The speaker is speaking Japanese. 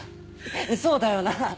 そうだよな。